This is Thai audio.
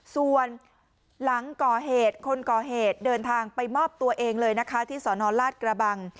ส่วนหลังก่อเหตุคนก่อเหตุเดินทางไปมอบตัวเองเลยนะคะที่สนราชกระบัง